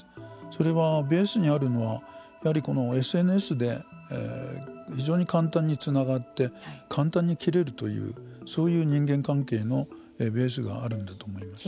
それはベースにあるのはやはりこのＳＮＳで非常に簡単につながって簡単に切れるというそういう人間関係のベースがあるんだと思います。